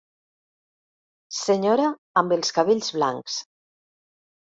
Senyora amb els cabells blancs.